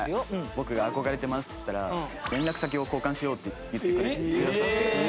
僕が「憧れてます」っつったら「連絡先を交換しよう」って言ってくださって。